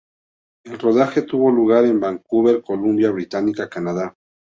El rodaje tuvo lugar en Vancouver, Columbia Británica, Canadá.